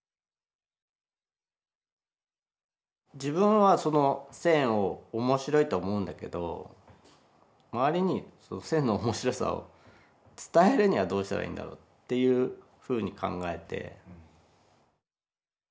自分はその線を面白いと思うんだけど周りに線の面白さを伝えるにはどうしたらいいんだろうっていうふうに考えて。